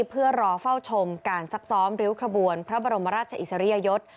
เพื่อรอเฝ้าชมการซักซ้อมริ้วขบวนพระบรมราชอิสริยยศ